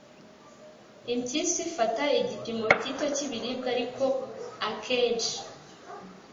impiswi fata igipimo gito cy' ibiribwa ariko akenshi